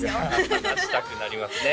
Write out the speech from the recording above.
探したくなりますね